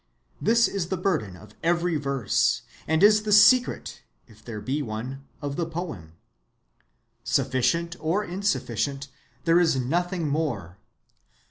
This is the burden of every verse, and is the secret, if there be one, of the poem. Sufficient or insufficient, there is nothing more....